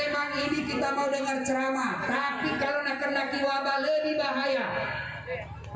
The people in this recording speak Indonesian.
memang ini kita mau dengar cerama tapi kalau nak kena kiwabah lebih bahaya